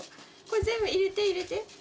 これ全部入れて入れて。